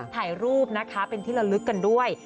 ถ่ายรูปนะคะเป็นที่ละลึกกันด้วย